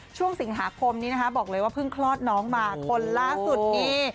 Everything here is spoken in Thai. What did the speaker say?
ช่วงสิงหาคมนี้นะคะบอกเลยว่าเพิ่งคลอดน้องมาคนล่าสุดนี่